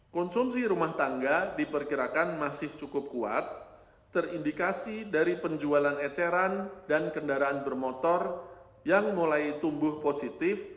konsumsi rumah tangga diperkirakan masih cukup kuat terindikasi dari penjualan eceran dan kendaraan bermotor yang mulai tumbuh positif